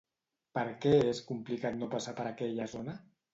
Per què és complicat no passar per aquella zona?